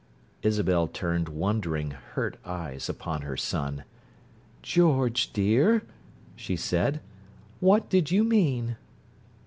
Isabel turned wondering, hurt eyes upon her son. "George, dear!" she said. "What did you mean?"